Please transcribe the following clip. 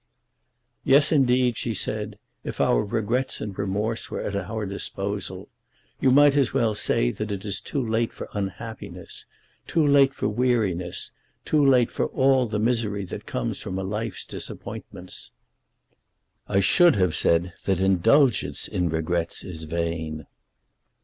"Yes, indeed," she said, "if our regrets and remorse were at our own disposal! You might as well say that it is too late for unhappiness, too late for weariness, too late for all the misery that comes from a life's disappointment." "I should have said that indulgence in regrets is vain."